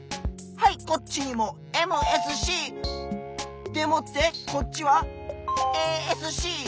はいこっちにもＭＳＣ！でもってこっちはＡＳＣ！